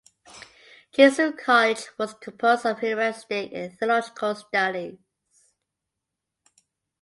Jesuit College was composed of humanistic and theological studies.